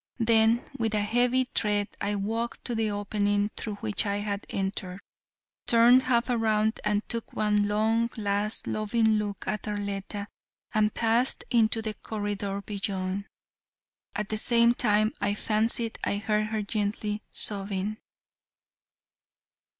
Then with a heavy tread I walked to the opening through which I had entered, turned half around and took one long, last, loving look at Arletta and passed into the corridor beyond. At the same time I fancied I heard her gently sobbing.